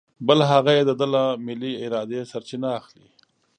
بل هغه یې د ده له ملې ارادې سرچینه اخلي.